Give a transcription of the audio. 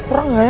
kurang gak ya